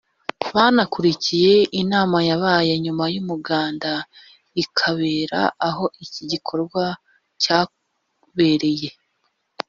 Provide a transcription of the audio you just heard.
banakurikiye inama yabaye nyuma y’umuganda ikabera aho iki gikorwa cyabereye